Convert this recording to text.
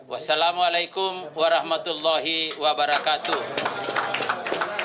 wassalamu'alaikum warahmatullahi wabarakatuh